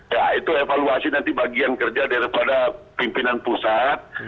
ya itu evaluasi nanti bagian kerja daripada pimpinan pusat